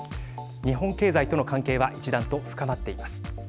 日本経済との関係は一段と深まっています。